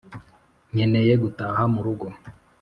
nkeneye gutaha murugo